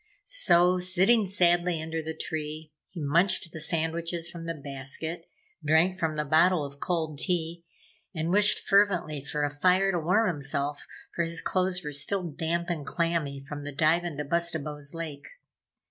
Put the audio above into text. So, sitting sadly under the tree, he munched the sandwiches from the basket, drank from the bottle of cold tea and wished fervently for a fire to warm himself, for his clothes were still damp and clammy from the dive in Bustabo's lake.